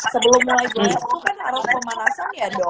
sebelum mulai jenis itu kan arah pemanasan ya dok